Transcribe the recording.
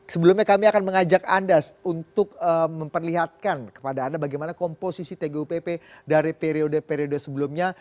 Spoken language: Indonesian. sebelumnya kami akan mengajak anda untuk memperlihatkan kepada anda bagaimana komposisi tgupp dari periode periode sebelumnya